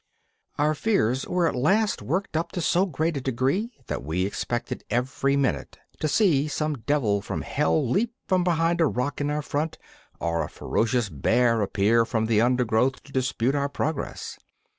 Our fears were at last worked up to so great a degree that we expected every minute to see some devil from Hell leap from behind a rock in our front, or a ferocious bear appear from the undergrowth to dispute our progress.